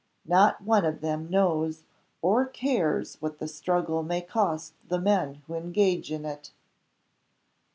"Not one of them knows or cares what the struggle may cost the men who engage in it."